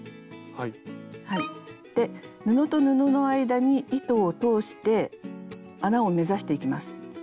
で布と布の間に糸を通して穴を目指していきます。